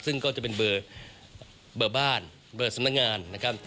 ซึ่งก็จะเป็นเบอร์บ้านเบอร์สำนักงานนะครับ